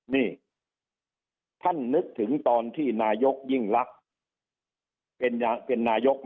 นี่ท่านนึกถึงตอนที่นายกยิ่งรัก